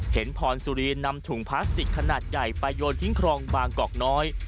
พรสุรีนำถุงพลาสติกขนาดใหญ่ไปโยนทิ้งครองบางกอกน้อย